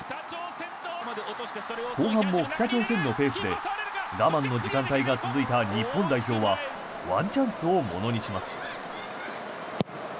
後半も北朝鮮のペースで我慢の時間帯が続いた日本代表はワンチャンスを物にします。